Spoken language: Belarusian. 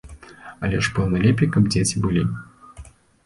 Але ж, пэўна, лепей, каб дзеці былі?